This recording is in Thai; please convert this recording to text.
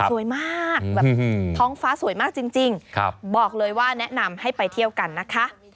สวยมากแบบท้องฟ้าสวยมากจริงบอกเลยว่าแนะนำให้ไปเที่ยวกันนะคะ